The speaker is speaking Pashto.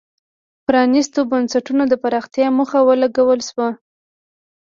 د پرانیستو بنسټونو د پراختیا موخه ولګول شوه.